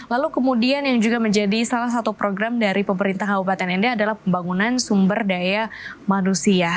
lalu kemudian yang juga menjadi salah satu program dari pemerintah kabupaten nd adalah pembangunan sumber daya manusia